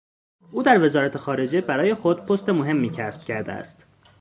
او در وزارت خارجه برای خود پست مهمی کسب کرده است.